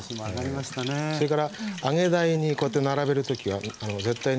それから揚げ台にこうやって並べる時は絶対に重ねない。